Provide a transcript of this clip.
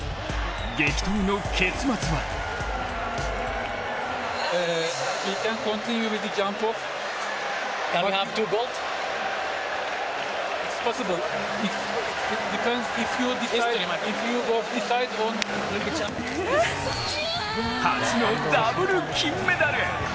激闘の結末は初のダブル金メダル！